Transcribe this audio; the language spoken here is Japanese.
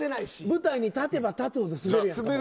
舞台に立てば立つほどスベるやつ。